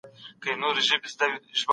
تاسي باید د دغې هټې څخه نوي نرمغالي رانیسئ.